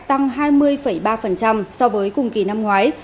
tăng hai mươi bốn một triệu khách tăng hai mươi ba so với cùng kỳ năm ngoái